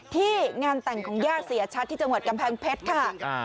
ที่งานแต่งของญาติเสียชัดที่จังหวัดกำแพงเพชรค่ะ